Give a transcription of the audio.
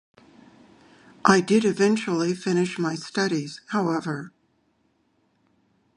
I did eventually finish my studies, however.